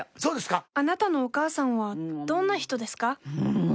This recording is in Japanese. あなたのお母さんはどんな人ですか？